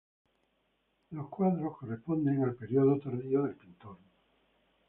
Los cuadros corresponden al periodo tardío del pintor.